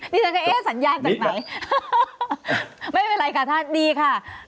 นี่ท่านค่ะเอ๊สัญญาณจากไหนไม่เป็นไรค่ะท่านดีค่ะค่ะ